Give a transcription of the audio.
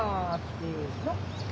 せの。